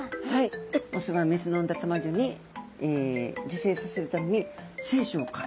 でオスはメスの産んだたまギョに受精させるために精子をかけるわけですね。